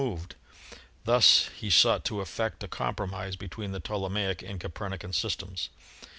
moved. Thus he sought to effect a compromise between the Ptolemaic and Copernican systems.